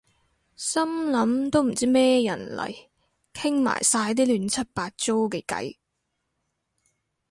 心諗都唔知咩人嚟傾埋晒啲亂七八糟嘅偈